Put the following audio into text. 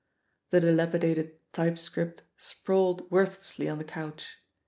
The dilapidated typescript sprawled worth lessly on the couch.